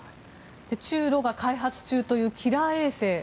中ロが開発中というキラー衛星。